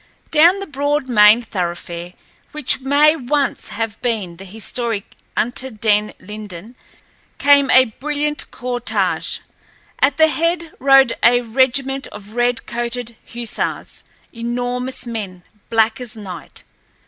Down the broad main thoroughfare, which may once have been the historic Unter den Linden, came a brilliant cortege. At the head rode a regiment of red coated hussars—enormous men, black as night.